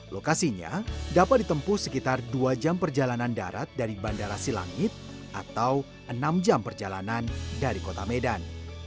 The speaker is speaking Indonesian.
lokasinya dapat ditempuh sekitar dua jam perjalanan darat dari bandara silangit atau enam jam perjalanan dari kota medan